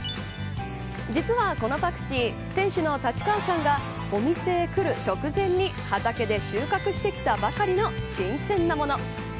実は、このパクチー店主の立川さんがお店へ来る直前に畑で収穫してきたばかりの新鮮なもの。